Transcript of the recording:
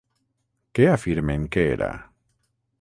Què afirmen que era?